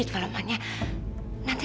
nanti kalau dia nangis dia akan nangis